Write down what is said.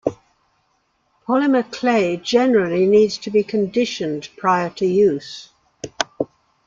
Polymer clay generally needs to be conditioned prior to use.